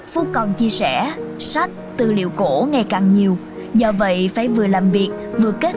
phúc còn chia sẻ sách tư liệu cổ ngày càng nhiều do vậy phải vừa làm việc